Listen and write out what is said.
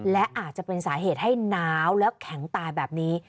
และอาจจะเป็นสาเหตุให้หนาวแล้วแข็งตายแบบนี้